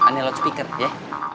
ane loudspeaker ya